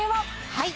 はい。